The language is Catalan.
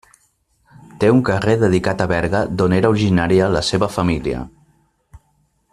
Té un carrer dedicat a Berga, d'on era originària la seva família.